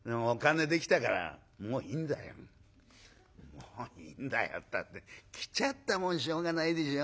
「『もういいんだよ』ったって来ちゃったもんしょうがないでしょ？